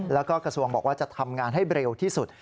แล้วก็กระทรวงบอกว่าจะทำงานให้เร็วที่สุด